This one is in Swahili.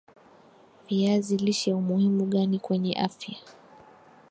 viazi lishe umuhimu gani kwenye afya